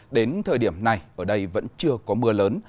đến thời điểm này ở đây vẫn chưa có mưa lớn